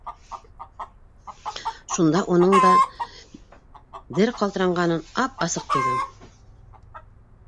Шунда уның да дер ҡалтырағанын ап-асыҡ тойҙом.